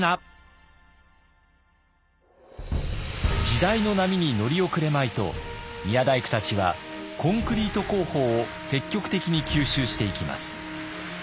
時代の波に乗り遅れまいと宮大工たちはコンクリート工法を積極的に吸収していきます。